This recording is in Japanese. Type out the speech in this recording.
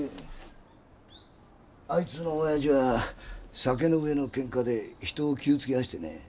あいつの親父は酒の上の喧嘩で人を傷つけやしてね